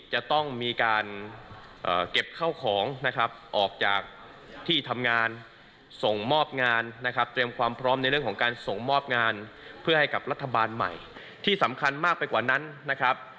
โหลองฟังตอนนั้นหน่อยครับ